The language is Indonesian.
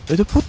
itu putri